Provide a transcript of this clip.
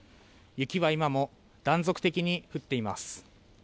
雪は今も断続的に降っています。